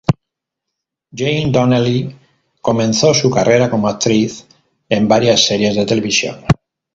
Jamie Donnelly comenzó su carrera como actriz en varias series de televisión.